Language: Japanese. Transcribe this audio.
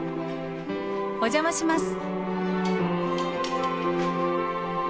お邪魔します。